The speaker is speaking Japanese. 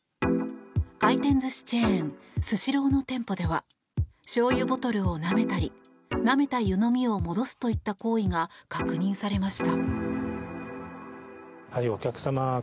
回転寿司チェーンスシローの店舗ではしょうゆボトルをなめたりなめた湯飲みを戻すといった行為が確認されました。